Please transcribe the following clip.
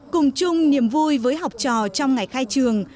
cùng chung niềm vui với học trò trong ngày khai trường